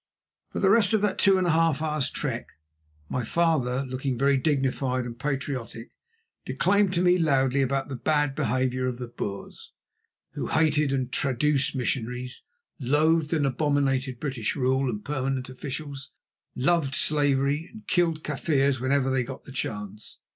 For the rest of that two and a half hours' trek my father, looking very dignified and patriotic, declaimed to me loudly about the bad behaviour of the Boers, who hated and traduced missionaries, loathed and abominated British rule and permanent officials, loved slavery and killed Kaffirs whenever they got the chance.